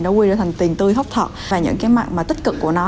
nó quy ra thành tiền tươi hốc thật và những cái mặt tích cực của nó